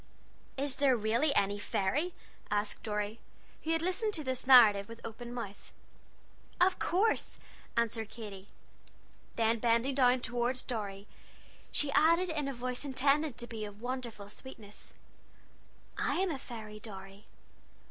"Is there really any fairy?" asked Dorry, who had listened to this narrative with open mouth. "Of course," answered Katy. Then bending down toward Dorry, she added in a voice intended to be of wonderful sweetness: "I am a fairy, Dorry!"